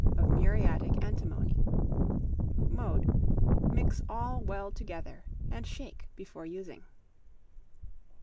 of muriatic antimony. Mode. Mix all well together, and shake before using.